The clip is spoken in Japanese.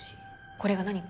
これが何か？